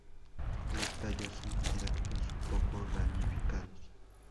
Los tallos son erectos, poco ramificados.